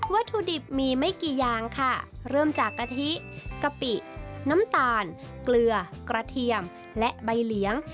ถุดิบมีไม่กี่อย่างค่ะเริ่มจากกะทิกะปิน้ำตาลเกลือกระเทียมและใบเหลียง